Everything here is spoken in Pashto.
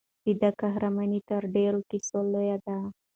د دې قهرماني تر ډېرو کیسو لویه ده.